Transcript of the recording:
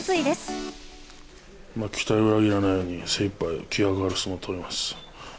期待を裏切らないように、精いっぱい気迫のある相撲を取ります。